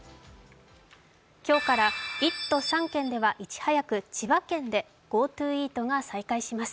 今日から１都３県では、いち早く千葉県でＧｏＴｏイートが再開します。